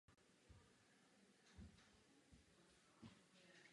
Tuto příležitost si nesmíme nechat uniknout mezi prsty.